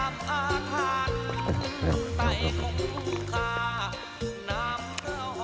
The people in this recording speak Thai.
น้ำทำอาทาร